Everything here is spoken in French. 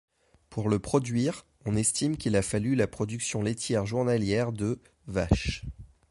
Pour le produire, on estime qu'il a fallu la production laitière journalière de vaches.